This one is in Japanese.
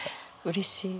うれしい。